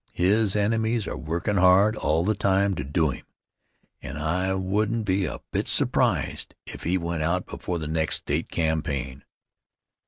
His enemies are workin' hard all the time to do him, and I wouldn't be a bit surprised if he went out before the next State campaign.